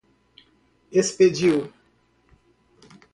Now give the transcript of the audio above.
expediu